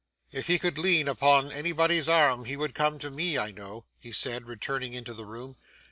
'If he could lean upon anybody's arm, he would come to me, I know,' he said, returning into the room.